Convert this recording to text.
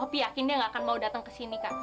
opi yakin dia gak akan mau datang kesini kak